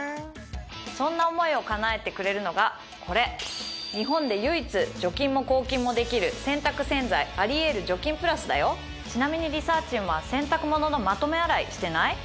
そんな思いをかなえてくれるのがこれ日本で唯一除菌も抗菌もできる洗濯洗剤ちなみにリサーちんは洗濯物のまとめ洗いしてない？